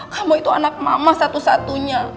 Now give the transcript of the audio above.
kamu itu anak mama satu satunya